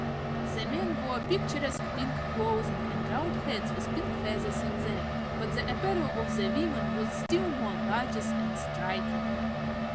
The men wore picturesque pink clothing and round hats with pink feathers in them, but the apparel of the women was still more gorgeous and striking.